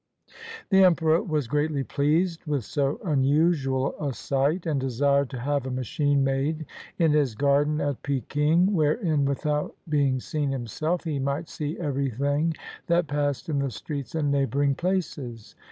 155 CHINA The emperor was greatly pleased with so unusual a sight, and desired to have a machine made in his garden at Peking, wherein, without bemg seen himself, he might see everything that passed in the streets and neighboring places.